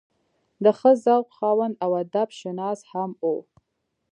د ښۀ ذوق خاوند او ادب شناس هم وو